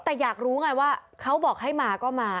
แต่อยากรู้ไงว่าเขาบอกให้มาก็มา